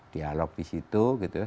dialog di situ gitu ya